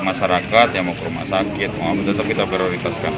masyarakat yang mau ke rumah sakit kita prioritaskan